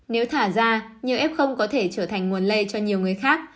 nếu thả ra nhiều ép không có thể trở thành nguồn lây cho nhiều người khác